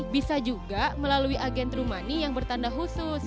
bisa juga melalui agen true money yang bertanda khusus